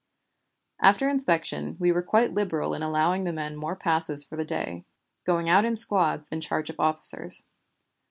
"After inspection we were quite liberal in allowing the men more passes for the day, going out in squads in charge of officers.